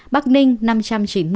bắc ninh năm trăm chín mươi